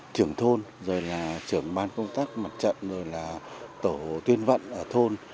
trưởng thôn trưởng ban công tác mặt trận tổ tuyên vận thôn